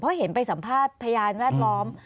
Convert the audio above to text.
เพราะเห็นไปสัมภาษณ์พยานแวดล้อม